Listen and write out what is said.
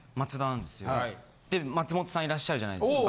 で松本さんいらっしゃるじゃないですか。